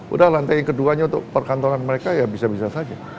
udah lantai keduanya untuk perkantoran mereka ya bisa bisa saja